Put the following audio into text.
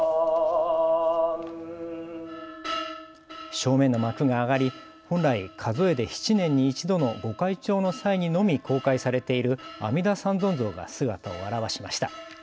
正面の幕が上がり本来、数えで７年に一度のご開帳の際にのみ公開されている阿弥陀三尊像が姿を現しました。